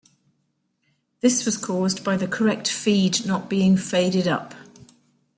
This was caused by the correct feed not being faded up.